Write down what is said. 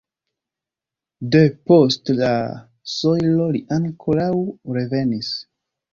De post la sojlo li ankoraŭ revenis.